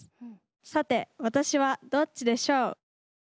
さて私はどっちでしょう？